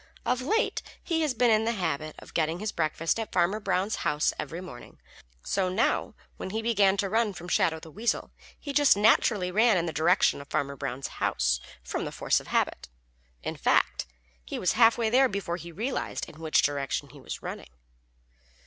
Of late, he had been in the habit of getting his breakfast at Farmer Brown's house every morning, so now when he began to run from Shadow the Weasel he just naturally ran in the direction of Farmer Brown's house from force of habit. In fact, he was halfway there before he realized in which direction he was running.